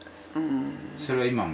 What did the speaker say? それは今も？